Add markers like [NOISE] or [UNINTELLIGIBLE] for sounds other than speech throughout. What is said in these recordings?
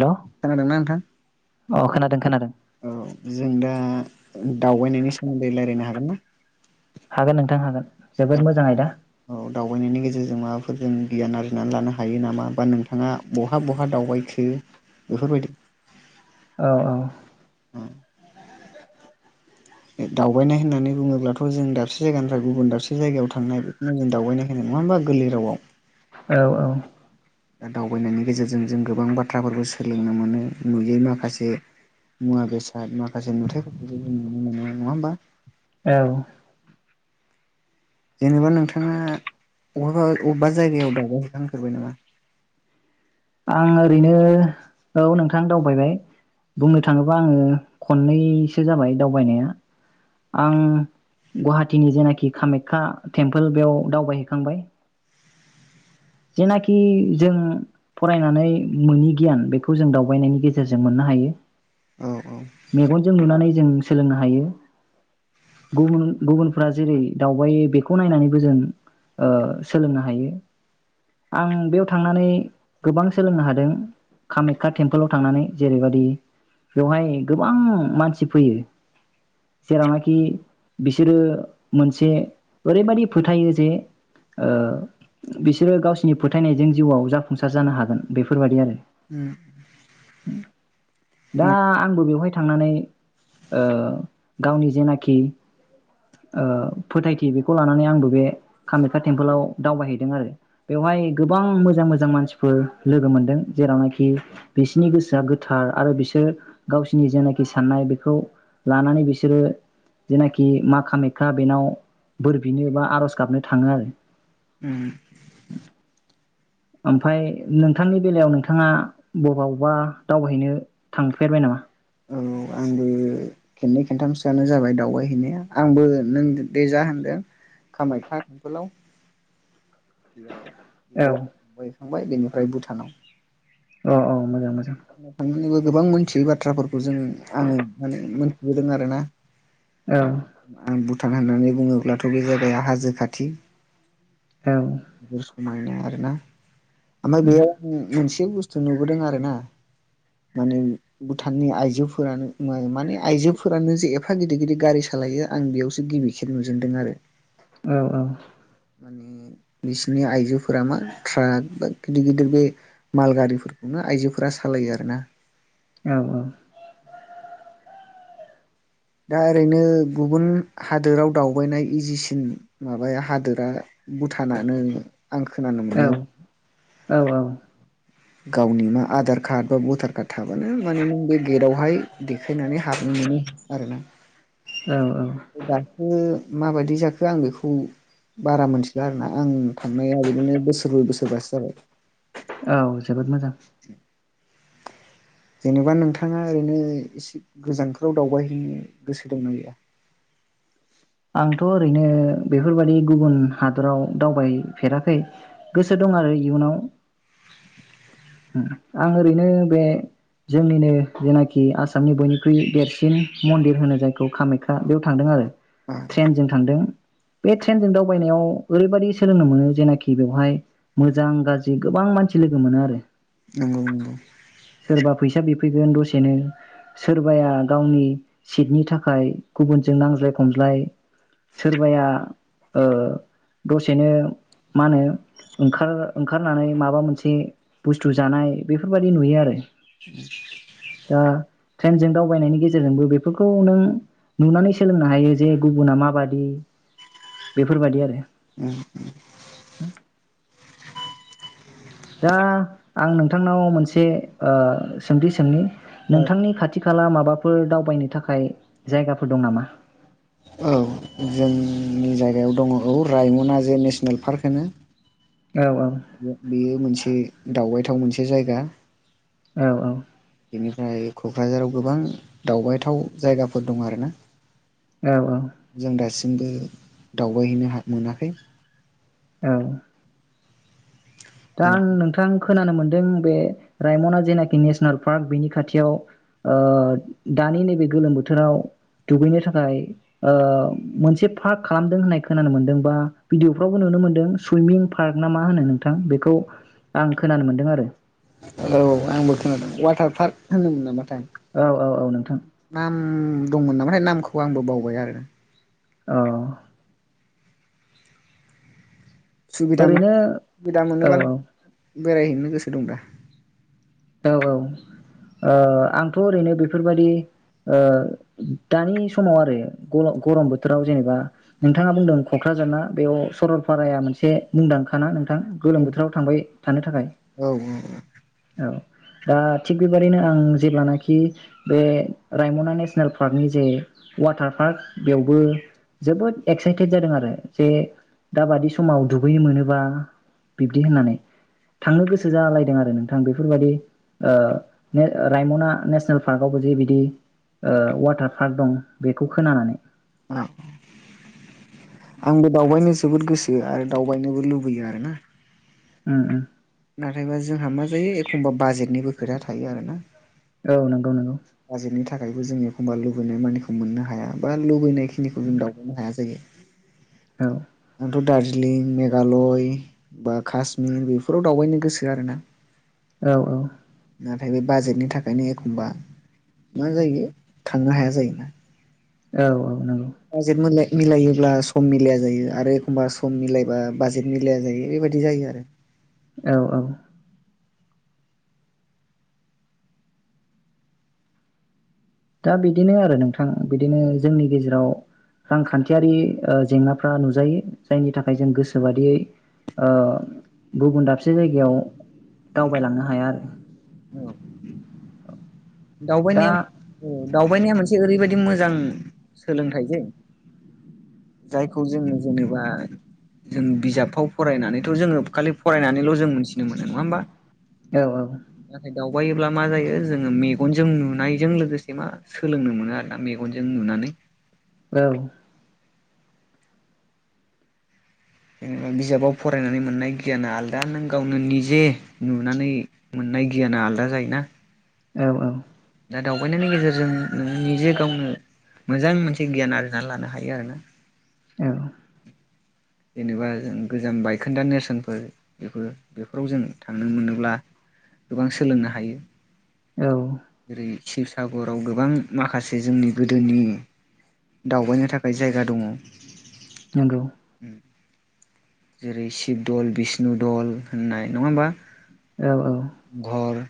Hello खोनादोंना नोंथां औ खोनादों खोनादों औ जों दा दावबायनायनि सोमोन्दै लायरायनो हागोन ना हागोन नोंथां हागोन। जोबोद मोजां आयदा औ दावबायनायनि गेजेरजों माबाफोरजों गियान आरजिनानै लानो हायो नामा बा नोंथाङा बहा बहा दावबायखो बेफोरबायदि औ औ [UNINTELLIGIBLE] दावबायनाय होननानै बुङोब्लाथ जों दाबसे जायगानिफ्राय गुबुन दाबसे जायगायाव थांनाय बेखौनो जों दावबायनाय होनो नङा होमबा गोरलै रावआव औ औ दा दावबायनायनि गेजेरजों जों गोबां बाथ्राफोरखौ सोलोंनो मोनो नुयै माखासे मुवा बेसाद माखासे नुथायफोरखौबो जों नुनो मोनो नङा होमबा औ जेनेबा नोंथाङा अबावबा अबा जायगायाव दावग हैैखांफेरबाय नामा आं ओरैनो औ नोंथां दावबायबाय बुंनो थाङोबा आङो खननैसो जाबाय दावबायनाया आं गुवाहाटिीनि जेनायखि कामाख्या टेम्पोल बेयाव दावबाय खांबाय जेनायखि जों फरायनानै मोनि गियान बेखौ जों दावबायनायनि गेजेरजों मोननो हायो औ औ मेगनजों नुनानै जों सोलोंनो हायो गुबुन गुबुनफोरा जेरै दावबाय बेखौ नायनानैबो जों ओ सोलोंनो हायो आं बेयाव थांनानै गोबां सोलोंनो हादों कामाख्या टेम्पोलाव थांनानै जेरै बादि बेवहाय गोबां मानसि फैयो जेरावनाखि बिसोरो मोनसे ओरैबायदि फोथायो जे ओ बिसोरो गावसिनि फोथायनायजों जिउआव जाफु संसार जानो हागोन बेफोरबायदि आरो उं दा आंबो बेवहायथांनानै ओ गावनि जेनायखि ओ फोथायथि बेखौ लानानै आंबो बे कामाख्या टेम्पोलाव दावबायहैदों आरो बेवहाय गोबां मोजां मोजां मानसि सिफोर लोगो मोनदों जेरावनायखि बेसिनि गोसोआ गोथार आरो बेसोर गावसिनि जेनायखि साननाय बेखौ लानानै बिसोरो जेनायखि मा कामाख्या बेनाव बोर बिनो बा आरज गाबनो थाङो आरो उं ओमफ्राय नोंथांनि बेलायाव नोंथाङा बबावबा दावबायहैनो थांफेरबाय नामा? औ आंबो खेननै खेथामसोआनो जाबाय दावबाय हैैनाया आंबो नों जे जाहांदों खामायखा बेफोराव [UNINTELLIGIBLE] औ [UNINTELLIGIBLE] थांबाय बेनिफ्राय भुटानाव अ औ मोजां मोजां [UNINTELLIGIBLE] गोबां मिथियै बाथ्राफोरखौ जों आङो माने मोनथिबोदों आरो ना औ [INAUDIBLE] आं भुटान होननानै बुङोब्लाथ' बे जायगाया हाजो खाथि औ जोबोर समायना आरोना ओमफ्राइ बेयाव मोनसे मोनसे बुस्थु नुबोदों आरो ना माने भुटाननि आइजोफोरानो माने आइजोफोरानो जे एफा गिदिर गिदिर गारि सालायो आं बेयावसो गिबि खेब नुजेनदों आरो औ औ माने बिसिनि आइजोफोरा मा ट्राक बा गिदिर गिदिर बे माल गारिफोरखौनो आइजोफोरा सालायो आरोना औ औ दा ओरैनो गुबुन हादोराव दावबायनाय इजिसिन माबाया हादोरा भुटानानो। आं खोनानो औ मोननायाव। औ औ गावनि मा आधार कार्ड बा भटार कार्ड थाबानो माने नों बे गेटआवहाय दे फैनानै हाबनो मोनो आरो ना औ दासो माबायदि जाखो आं बेखौ बारा मोनथिला आरोना आं थांनाया बिदिनो बोसोरब्रै बोसोरबासो जाबाय। औ [INAUDIBLE] जेनेबा नोंथाङा ओरैनो एसे गोजानफ्राव दावबायहैनो गोसो दंना गैया? आंथ' ओरैनो बेफोरबादि गुबुन हादराव दावबायफेराखै गोसो दं आरो इयुनाव उ आं ओरैनो बे जोंनिनो जेनाखि आसामनि बयनिख्रुइ देरसिन मन्दिर होनो जायखौ कामाख्या बेयाव थांदों आरो। आ ट्रेनजों थांदों बे ट्रेनजों दावबायनायाव ओरैबायदि सोलोंनो मोनो जेनाखि बेवहाय मोजां गाज्रि गोबां मानसि लोगो मोनो आरो नंगौ नंगौ फैगोन दसेनो सोरबाया गावनि सिटनि थाखाय गुबुनजों नांज्लाय खमज्लाय सोरबाया ओ दसेनो मा होनो ओंखार ओंखारनानै माबा मोनसे बुस्थु जानाय बेफोरबायदि नुयो आरो दा ट्रेनजों दावबायनायनि गेजेरजोंबो बेफोरखौ नों नुनानै सोलोंनो हायो जे गुबुना माबादि बेफोरबादि आरो दा आं नोंथांनाव मोनसे ओ सोंथि सोंनि नोंथांनि खाथि खाला माबाफोर दावबायनो थाखाय जायगाफोर दं नामा? औ जोंनि जायगायाव दङ औ रायमना जे नेसनेल पार्क होनो। औ बे बेयो मोनसे दावबायथाव मोनसे जायगा। औ औ बेनिफ्राय क'क्राझाराव गोबां दावबायथाव जायगाफोर दं आरो ना। औ औ बो दावबायहैनो हा मोनाखै औ दा आं नोंथांख खोनानो मोनदों बे रायमना जेनाखि नेसनेल पार्क बेनि खाथियाव ओ दानि नैबे गोलोम बोथोराव दुगैनो थाखाय ओ मोनसे पार्क खालामदों होननाय खोनानो मोनदों बा भिडिअफ्रावबो नुनो मोनदों सुइमिं पार्क ना मा होनो नोंथां बे खौ आं खोनानो मोनदों आरो। औ आंबो खोनादों वाटार पार्क होनोमोन नामा? [UNINTELLIGIBLE] पार्क औ औ औ नोंथां नाम दंमोन नामाथाय नामखौ आंबो बावबाय आरो। अ सुबिदा मो ओरैनो सुबिदा औ मोनोबाला बेरायहैनो गोसो दं दा? औ औ ओ आंथ' ओरैनो बेफोरबायदि ओ दानि समाव आरो गर गरम बोथोराव जेनेबा नोंथाङा बुंदों क'क्राझार ना बेयाव सरलपाराया मोनसे मुंदांखा ना नोंथा थां औ गोलोम बोथोराव थांबाय थानो थाखाय औ औ। औ दा थिग बेबादिनो आं जेब्लानाखि बे रायमना नेसनेल पार्कनि जे वाटार पार्क बेवबो जोबोद एक्साइटेड जादों आरो जे दाबादि समाव दुगैयो मोनोबा बिब्दि होननानै थांनो गोसो जालायदों आरो नोंथ आं बेफोरबायदि ओ ने रायमना नेसनेल पार्कआवबो जे बिदि ओ वाटार पार्क दं बे खोनानानै। औ आंबो दावबायनो जोबोद गोसो आरो दावबायनोबो लुबैयो आरोना। उम उम। नाथायबा जोंहा मा जायो एखमबा बाजेटनिबो खोथा थायो आरो ना। औ नंगौ नंगौ। बाजेटनि थाखायबो जोंङो एखमबा लुबैनाय मानिखौ मोननो हाया बा लुबैनाय खिनिखौ जों दावबायनो हाया जायो। औ। आंथ' दार्जिलिं, मेघालय बा कास्मिर बेफोराव दावबायनो गोसो आरोना। औ औ। नाथाय बे बाजेटनि थाखायनो एखमबा मा जायो थांनो हाया जायोना। औ औ नंग अजिर मोनलाय मिलायोब्ला सम मिलाया जायो आरो एखमबा सम मिलायबा बाजेट मिलाया जायो बेबायदि जायो आरो। औ औ। दा बिदिनो आरो नोंथां बिदिनो जोंनि गेजेराव रांखान्थियारि ओ जेंनाफ्रा नुजायो जायनि थाखाय जों गोसोबादियै ओ गुबुन दाबसे जायगायाव दावबायलांनो हाया आरो। दावबाय दा नाया [UNINTELLIGIBLE] दावबायनाया मोनसे ओरैबायदि मोजां सोलोंथाइ जे जायखौ जोङो जेनेबा जों बिजाबफ्राव फरायनानैथ' जोङो खालि फरायनानैल' जों मोनथिनो मोनो नङा होमबा? औ औ। बायोब्ला मा जायो जोङो मेग मेगनजों नुनायजों लोगोसे मा सोलोंनो मोनो आरो ना मेगनजों नुनानै। औ। जेनेबा बिजाबाव फरायनानै मोननाय गियाना आलदा नों गावनो निजे नुनानै मोननाय गियाना आलादा जायोना। औ औ। दा दावबायनायनि गेजेरजों नों निजे गावनो मोजां मोनसे गियान आरजिनानै लानो हायो आरोना। औ। जेनेबा जों गोजाम बायखोन्दा नेरसोनफोर बेफोर-बेफोराव जों थांनो मोनोब्ला गोबां सोलोंनो हायो। औ जेरै शिबसागराव गोबां माखासे जोंनि गोदोनि दावबायनो थाखाय जायगा दङ। नंगौ जेरै शिब दल, बिष्णु दल, होननाय नङा होमबा औ घर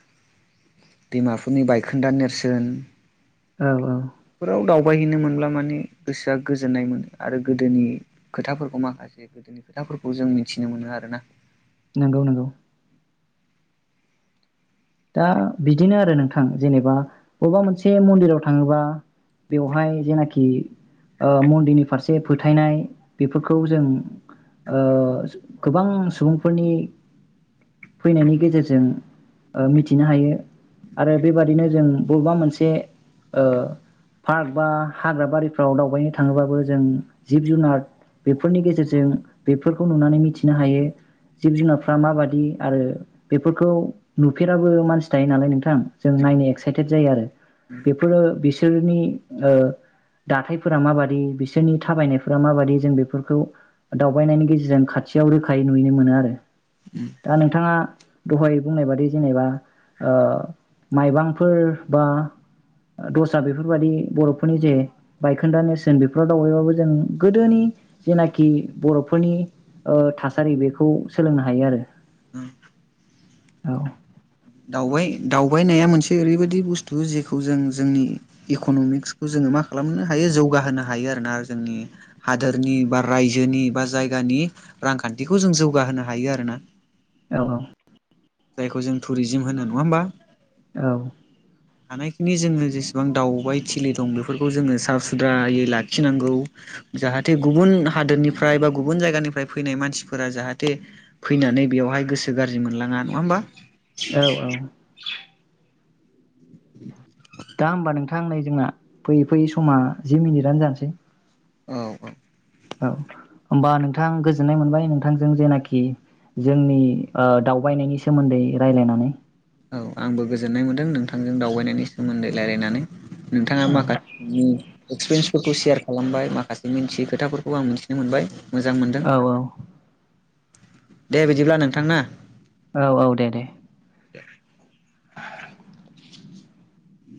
डिमाफुरनि बायखोन्दा नेरसोन औ-औ फोराव दावबायहैनो मोनब्ला माने गोसोआ गोजोननाय मोनो आरो गोदोनि खोथाफोरखौ माखासे गोदोनि खोथाफोरखौ जों मिथिनो मोनो आरोना नंगौ-नंगौ दा बिदिनो आरो नोंथां जेनेबा बबेबा मोनसे मन्दिराव थाङोबा बेवहाय जेनाखि ओ मन्दिरनि फारसे फोथायनाय बेफोरखौ जों ओ गोबां सुबुंफोरनि फैनायनि गेजेरजों ओ मिथिनो हायो आरो बेबादिनो जों बबेबा मोनसे ओ पार्क बा हाग्रा बारिफ्राव दावबायनो थाङोबाबो जों जिब-जुनार बेफोरनि गेजेरजों बेफोरखौ नुनानै मिथिनो हायो जिब जुनारफ्रा माबादि आरो बेफोरखौ नुफेराबो मानसि थायो। नालाय नोंथां जों नायनो एक्साइटेड जायो। आरो बेफोरो बिसोरनि दाथायफोरा माबादि बिसोरनि थाबायनायफोरा माबादि जों बेफोरखौ दावबायनायनि गेजेरजों खाथियाव रोखायै नुनो मोनो आरो दा नोंथाङा दहाय बुंनाय बादि जेनेबा ओ माइबांफोर बा दस्रा बेफोरबायाददि बर'फोरनि जे बायखोन्दा नेरसोन बेफोराव दावबायबाबो जों गोदोनि जेनाखि बर'फोरनि ओ थासारि बेखौ सोलोंनो हायो आरो ह औ दावबाय-दावबायनाया मोनसे ओरैबायाददि बुस्थु जेखौ जों जोंनि इक'नमिक्सखौ जोङो मा खालामनो हायो। जौगाहोनो हायो आरोना जोंनि हादोरनि बा रायजोनि बा जायगानि रांखान्थिखौ जों जौगाहोनो हायो आरोना औ-औ जायखौ जों टुरिजोम होनो नङा होमबा औ हानायखिनि जोङो जेसेबां दावबाय थिलि दं बेफोरखौ जोङो सा सुद्रायै लाखिनांगौ जाहाथे गुबुन हादोरनिफ्राय बा गुबुन जायगानिफ्राय फैनाय मानसिफोरा जाहाथे फैनानै बेवहाय गोसो गाज्रि मोनलाङा नङा होमबा औ-औ दा होमबा नोंथां नै जोंना फैयै-फैयै समा जि मिनिट आनो जानोसै औ-औ औ होमबा नोंथां गोजोननाय मोनबाय नोंथांजों जेनाखि जोंनि दावबायनायनि सोमोन्दै रायज्लायनानै औ आंबो गोजोननाय मोन्दों नोंथांजों दावबायनायनि सोमोन्दै रायलायनानै नोंथाङा औ माखासेनि एक्सपिरियेन्सफोरखौ सेयार खालामबाय माखासे मिथियै खोथाफोरखौ आं मिथिनो मोनबाय। मोजां मोनदों। औ औ दे बिदिब्ला नोंथां ना औ-औ दे-दे। दे। उ